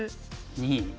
２。